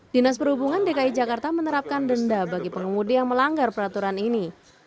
dinas perhubungan dki jakarta menerapkan denda bagi pengemudi yang melanggar peraturan ini